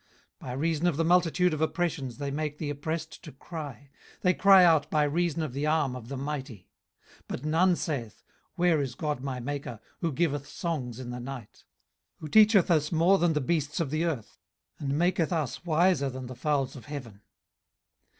18:035:009 By reason of the multitude of oppressions they make the oppressed to cry: they cry out by reason of the arm of the mighty. 18:035:010 But none saith, Where is God my maker, who giveth songs in the night; 18:035:011 Who teacheth us more than the beasts of the earth, and maketh us wiser than the fowls of heaven?